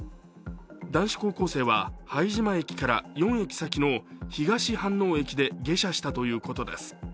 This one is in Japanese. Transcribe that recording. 男子高校生は拝島駅から４駅先の東飯能駅で下車したということです。